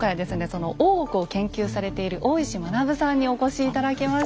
その大奥を研究されている大石学さんにお越し頂きました。